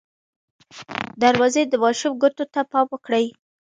دروازې د ماشوم ګوتو ته پام وکړئ.